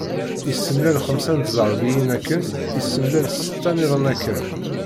Issemlal xemsa n tẓerbiyin akken, issemlal setta-nniḍen akken.